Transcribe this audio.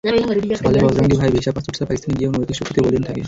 ফলে বজরঙ্গি ভাই ভিসা-পাসপোর্ট ছাড়া পাকিস্তানে গিয়েও নৈতিক শক্তিতে বলীয়ান থাকে।